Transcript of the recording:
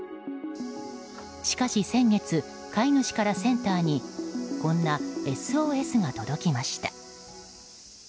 しかし先月飼い主からセンターにこんなＳＯＳが届きました。